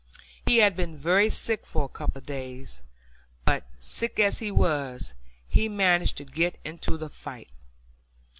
He had been very sick for a couple of days, but, sick as he was, he managed to get into the fight.